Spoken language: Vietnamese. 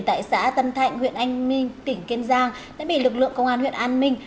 tại xã tân thạnh huyện anh minh tỉnh kiên giang đã bị lực lượng công an huyện an minh